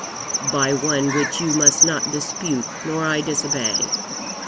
'By one which you must not dispute, nor I disobey.'